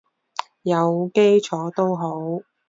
有基礎都好